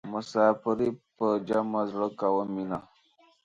مسافري په جمع زړه کوه مینه.